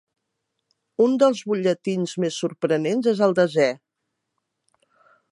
Un dels butlletins més sorprenents és el desè.